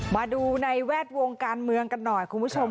มาดูในแวดวงการเมืองกันหน่อยคุณผู้ชม